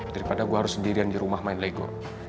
daripada gue harus sendirian di rumah main lego